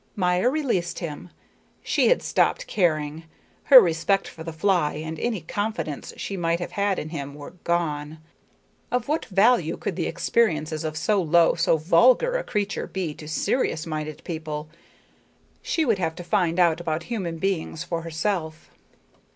Maya released him. She had stopped caring. Her respect for the fly and any confidence she might have had in him were gone. Of what value could the experiences of so low, so vulgar a creature be to serious minded people? She would have to find out about human beings for herself.